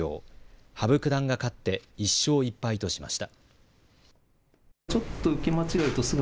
羽生九段が勝って１勝１敗としました。